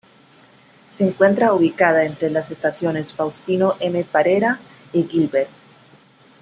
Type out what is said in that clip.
Se encuentra ubicada entre las estaciones Faustino M. Parera y Gilbert.